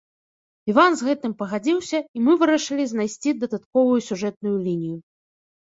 Іван з гэтым пагадзіўся і мы вырашылі знайсці дадатковую сюжэтную лінію.